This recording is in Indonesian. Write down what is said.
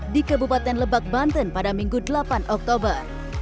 di kabupaten lebak banten pada minggu delapan oktober